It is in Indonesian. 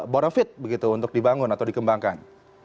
benefit begitu untuk dibangun atau dikembangkan